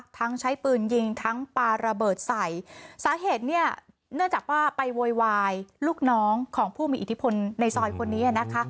ทั้งใช้ปืนยิงทั้งปลาระเบิดใส่สาเหตุเนี่ยเนื่องจากว่าไปโวยวายลูกน้องของผู้มีอิทธิพลในซอยคนนี้นะคะ